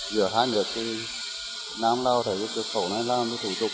giữa hai nhật việt nam lào thấy cửa khẩu này làm thủ tục